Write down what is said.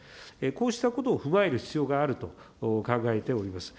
こうしたことを踏まえる必要があると考えております。